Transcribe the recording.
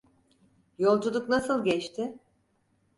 Yolculuk nasıl geçti?